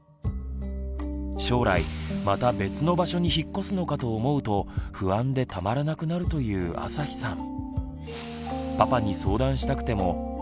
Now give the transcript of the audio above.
将来また別の場所に引っ越すのかと思うと不安でたまらなくなるというあさひさん。